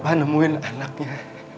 bapak nemuin anaknya